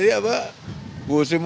terus mana yang belum can gitu